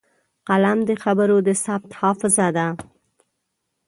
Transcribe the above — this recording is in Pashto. قلم د خبرو د ثبت حافظه ده